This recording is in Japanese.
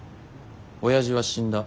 親父は死んだ。